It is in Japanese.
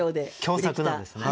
共作なんですね。